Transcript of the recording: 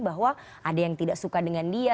bahwa ada yang tidak suka dengan dia